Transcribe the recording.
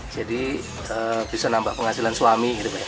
jadi bisa nambah penghasilan suami gitu ya